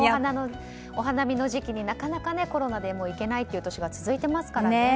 お花見の時期になかなかコロナで行けないという年が続いていますからね。